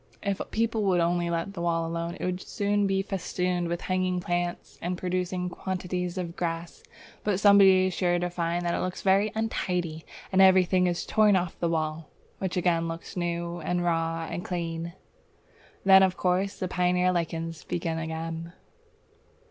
If people would only let the wall alone, it would soon be festooned with hanging plants, and producing quantities of grass, but somebody is sure to find that it looks very untidy, and everything is torn off the wall, which again looks new and raw and clean. Then of course the pioneer lichens begin again!